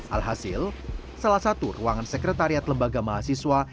alhasil salah satu ruangan sekretariat lembaga mahasiswa